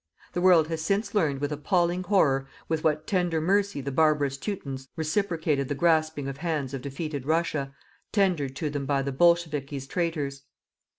The world has since learned with appalling horror with what tender mercy the barbarous Teutons reciprocated the grasping of hands of defeated Russia, tendered to them by the "bolshevikis" traitors.